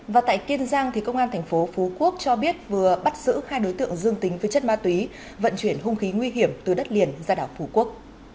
và tại kiên giang công an thành phố phú quốc cho biết vừa bắt giữ hai đối tượng dương tính với chất ma túy vận chuyển hung khí nguy hiểm từ đất liền ra đảo phú quốc